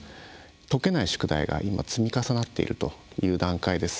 解けない宿題が今、積み重なっているという段階です。